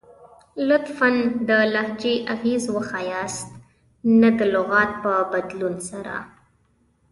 لطفاً ، د لهجې اغیز وښایست نه د لغات په بدلون سره!